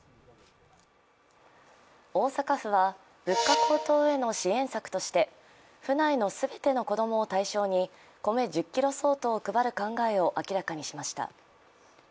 大阪府は物価高騰への支援策として府内の全ての子供を対象に米１０ｋｇ相当を配る考えを明らかにしました。